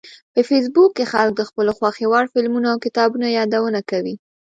په فېسبوک کې خلک د خپلو خوښې وړ فلمونو او کتابونو یادونه کوي